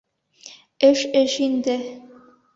Эш эш инде.